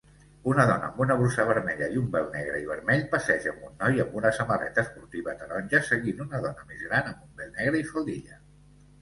Una dona amb una brusa vermella i un vel negre i vermell passeja amb un noi amb una samarreta esportiva taronja seguint una dona més gran amb un vel negre i faldilla